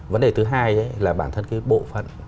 vấn đề thứ hai là bản thân cái bộ phận